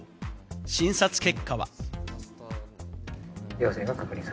診察結果は。